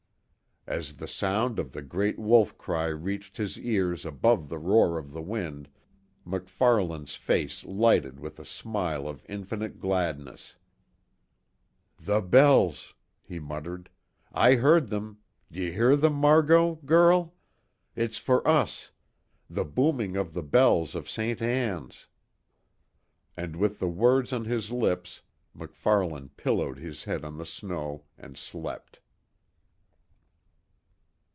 As the sound of the great wolf cry reached his ears above the roar of the wind, MacFarlane's face lighted with a smile of infinite gladness: "The bells," he muttered, "I heard them d'you hear them, Margot girl? It's for us the booming of the bells of Ste. Anne's!" And with the words on his lips MacFarlane pillowed his head on the snow and slept.